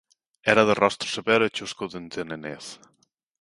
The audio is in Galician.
Era de rostro severo e chosco dende a nenez.